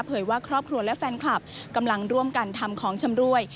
ว่าครอบครัวและแฟนคลับกำลังร่วมกันทำของชำรวย